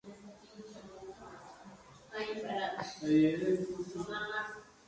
Esta cristianización se acentuó durante la Edad Media.